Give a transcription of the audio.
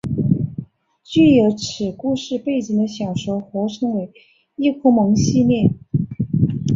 具有此故事背景的小说合称为伊库盟系列。